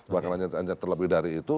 bahkan hanya terlebih dari itu